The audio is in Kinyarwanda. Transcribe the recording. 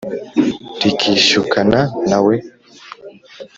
rikishyukana na we.